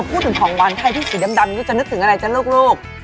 พูดถึงของวานไทยที่สีดำดำนี่จะนึกถึงอะไรจ้านลูก